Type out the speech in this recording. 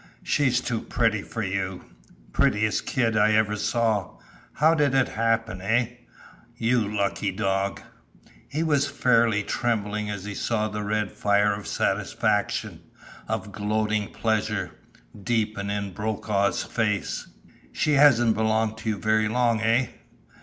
"She's too pretty for you. Prettiest kid I ever saw! How did it happen? Eh? You lucky dog!" He was fairly trembling as he saw the red fire of satisfaction, of gloating pleasure, deepen in Brokaw's face. "She hasn't belonged to you very long, eh?"